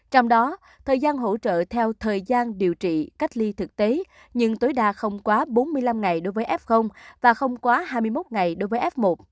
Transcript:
trong đó thời gian hỗ trợ theo thời gian điều trị cách ly thực tế nhưng tối đa không quá bốn mươi năm ngày đối với f và không quá hai mươi một ngày đối với f một